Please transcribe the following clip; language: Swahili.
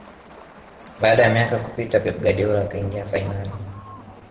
baada ya miaka kupita pep guardiola akaingia fainali